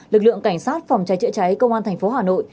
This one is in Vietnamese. lực lượng cảnh sát phòng cháy chữa cháy công an tp hà nội